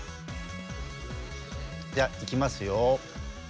じゃあいきますよ。